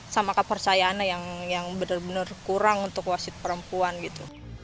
sama kepercayaannya yang benar benar kurang untuk wasit perempuan gitu